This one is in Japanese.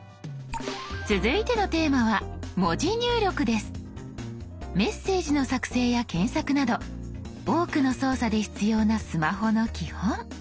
続いてのテーマはメッセージの作成や検索など多くの操作で必要なスマホの基本。